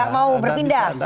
nggak mau berpindah